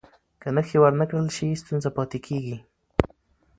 که نښې ور نه کړل سي، ستونزه پاتې کېږي.